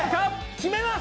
決めます！